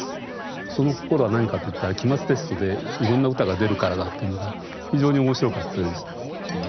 その心は何かといったら期末テストでいろんな歌が出るからだっていうのが非常に面白かったです。